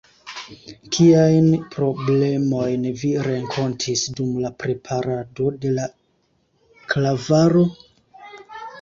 Kiajn problemojn vi renkontis dum la preparado de la klavaro?